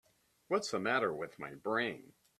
What's the matter with my brain?